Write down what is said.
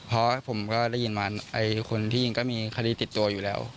เพราะผมก็ได้ยินมาคนที่ยิงก็มีคดีติดตัวอยู่แล้ว